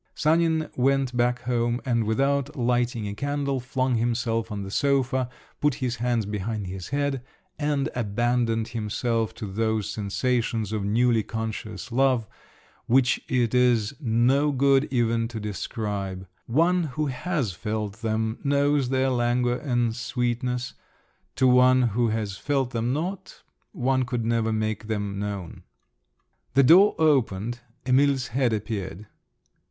Sanin went back home, and without lighting a candle, flung himself on the sofa, put his hands behind his head, and abandoned himself to those sensations of newly conscious love, which it is no good even to describe. One who has felt them knows their languor and sweetness; to one who has felt them not, one could never make them known. The door opened—Emil's head appeared.